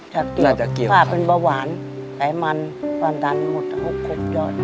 จากเดี๋ยวป้าเป็นเบาหวานไขมันมันดันทั้งหมด๖๖ยอด